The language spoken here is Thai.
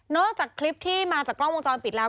จากคลิปที่มาจากกล้องวงจรปิดแล้ว